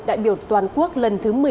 đại biểu toàn quốc lần thứ một mươi ba